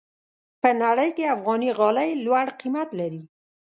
په نړۍ کې افغاني غالۍ لوړ قیمت لري.